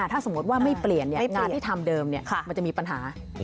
ถ้าสมมุติว่าไม่เปลี่ยนงานที่ทำเดิมมันจะมีปัญหา